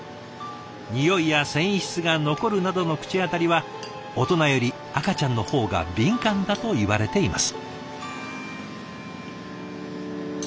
においや繊維質が残るなどの口当たりは大人より赤ちゃんの方が敏感だといわれています。